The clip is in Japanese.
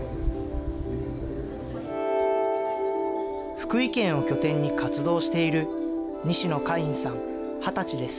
福井県を拠点に活動している、西野カインさん２０歳です。